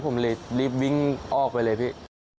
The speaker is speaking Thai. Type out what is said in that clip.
ผมเลยรีบวิ่งออกไปเลยพี่